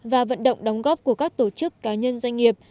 và vận động đóng góp của các tổ chức cá nhân doanh nghiệp